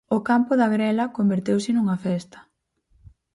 O campo da Grela converteuse nunha festa.